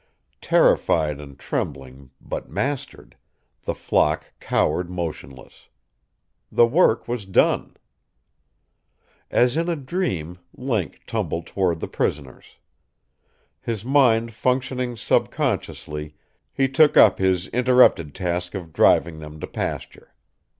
Terrified and trembling, but mastered, the flock cowered motionless. The work was done. As in a dream Link tumbled toward the prisoners. His mind functioning subconsciously, he took up his interrupted task of driving them to pasture.